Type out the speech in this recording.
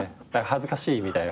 恥ずかしいみたいな。